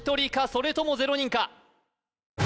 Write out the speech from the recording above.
それとも０人か